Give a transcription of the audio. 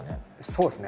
そうですね。